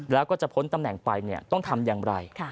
แล้วก็จะพ้นตำแหน่งไปต้องทำอย่างไร